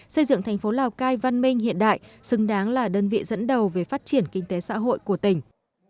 xây dựng thành phố lào cai văn minh hiện đại xứng đáng là đơn vị dẫn đầu về phát triển kinh tế xã hội của tỉnh